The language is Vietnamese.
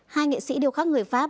hai nghệ sĩ điều khắc người pháp